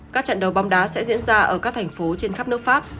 các trận đấu bóng đá sẽ diễn ra ở các thành phố trên khắp nước pháp